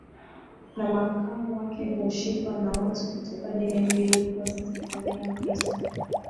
na Makamu wake hushikwa na watu kutoka dini mbili kubwa za Tanzania Wakristo na